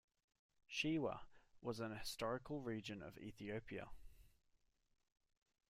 Shewa was an historical region of Ethiopia.